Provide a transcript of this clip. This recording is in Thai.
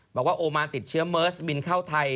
บอกว่าโอมานติดเชื้อเมิร์สบินเข้าไทย